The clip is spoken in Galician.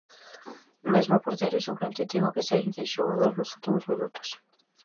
Mesmo o porteiro suplente tivo que saír de xogador nos últimos minutos.